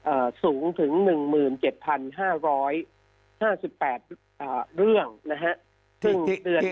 สูงถึงหนึ่งหมื่นเจ็ดพันห้าร้อยห้าสิบแปดอ่าเรื่องนะฮะซึ่งเดือน